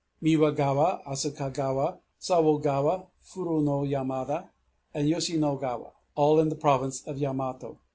Miwagawa, Asukagawa, Sawogawa, Furu no Yamada, and Yoshinogawa, all in the province of Yamato.